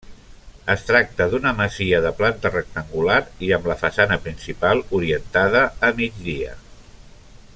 Es tracta d'una masia de planta rectangular i amb la façana principal orientada a migdia.